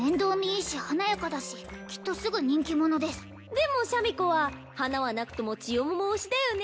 いいし華やかだしきっとすぐ人気者ですでもシャミ子は華はなくともちよもも推しだよね